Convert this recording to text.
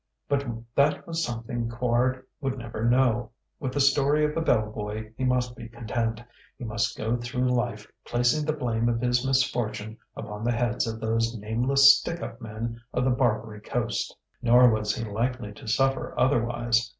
But that was something Quard would never know: with the story of the bell boy he must be content; he must go through life placing the blame of his misfortune upon the heads of those nameless "stick up men" of the Barbary Coast. Nor was he likely to suffer otherwise.